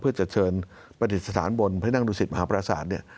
เพื่อเจอเชิญปฏิสถานบนพระนางดุสิตมหาพระศาสตร์